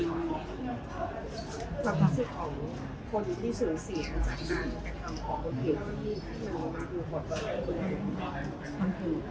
ความคลาสิทธิ์ของคนที่เสื้อเสียงกันจากนั้น